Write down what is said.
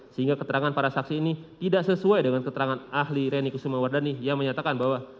sehingga keterangan para saksi ini tidak sesuai dengan keterangan ahli reni kusuma wardani yang menyatakan bahwa